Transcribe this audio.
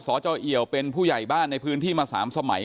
เพราะสตอิ๋วเป็นผู้ใหญ่บ้านในพื้นที่มา๓สัมหมาย